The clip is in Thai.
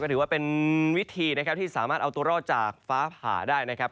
ถือว่าเป็นวิธีนะครับที่สามารถเอาตัวรอดจากฟ้าผ่าได้นะครับ